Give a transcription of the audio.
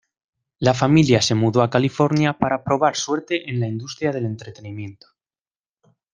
La familia se mudó a California para probar suerte en la industria del entretenimiento.